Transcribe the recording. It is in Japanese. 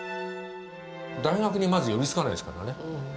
大学にまず寄りつかないですからね。